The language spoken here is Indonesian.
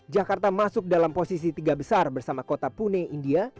jakarta masuk dalam posisi tiga besar bersama kota pune india